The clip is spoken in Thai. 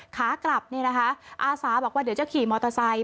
ขากลับอาศาบังว่าเดี๋ยวเขียนมอเตอร์ไซน์